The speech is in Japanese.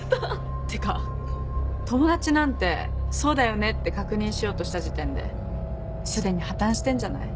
ってか友達なんて「そうだよね？」って確認しようとした時点で既に破綻してんじゃない？